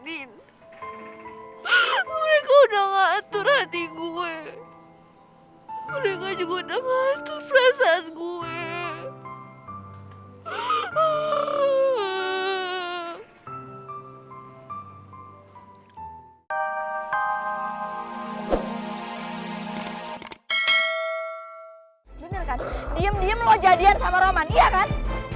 diem diem lo jadian sama roman iya kan